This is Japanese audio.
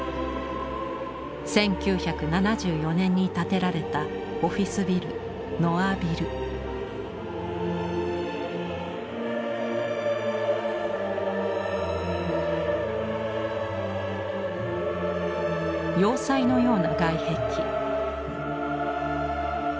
１９７４年に建てられたオフィスビル要塞のような外壁。